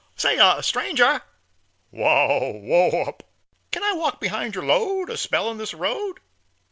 "Say y, stranger!" "Wal, whoap." "Ken I walk behind your load A spell in this road?"